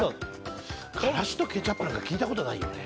辛子とケチャップなんか聞いたことないよね。